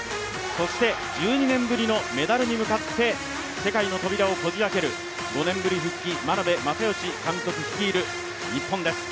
そして１２年ぶりのメダルに向かって世界の扉をこじあける５年ぶり復帰、眞鍋政義監督率いる日本です。